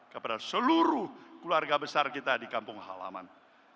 kepada seluruh keluarga besar kita di kampung halaman